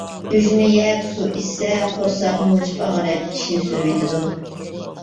ئۈجمە يەپ سۇ ئىچسە، قورساق مۇجۇپ ئاغرىپ، ئىچنى سۈرۈۋېتىدۇ.